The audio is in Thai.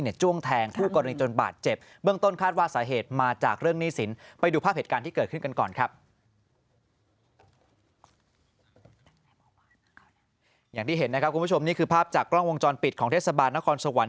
อย่างที่เห็นนะครับคุณผู้ชมนี่คือภาพจากกล้องวงจรปิดของเทศบาลนครสวรรค